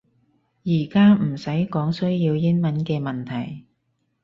而家唔使講需要英文嘅問題